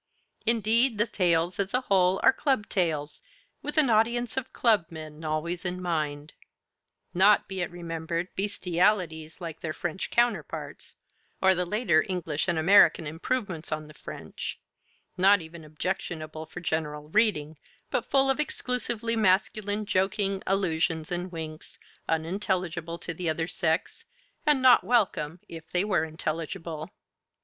Indeed, the tales as a whole are club tales, with an audience of club men always in mind; not, be it remembered, bestialities like their French counterparts, or the later English and American improvements on the French, not even objectionable for general reading, but full of exclusively masculine joking, allusions, and winks, unintelligible to the other sex, and not welcome if they were intelligible.